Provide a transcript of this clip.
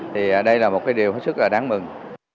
thì đây là một cái điều rất là đáng mừng